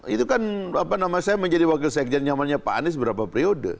itu kan apa namanya saya menjadi wakil sekjen nyamannya pak anies berapa periode